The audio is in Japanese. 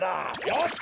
よし！